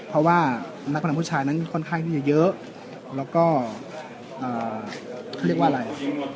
เพราะว่านักพนันผู้ชายนั้นค่อนข้างที่จะเยอะแล้วก็เขาเรียกว่าอะไร